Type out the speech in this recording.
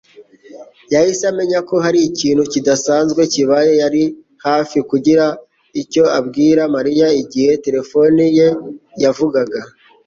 yahise amenya ko hari ikintu kidasanzwe kibaye. yari hafi kugira icyo abwira Mariya igihe terefone ye yavugaga.